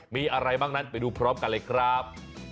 มีอะไรบ้างนั้นไปดูพร้อมกันเลยครับ